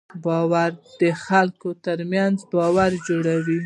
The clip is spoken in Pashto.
باور د خلکو تر منځ باور جوړوي.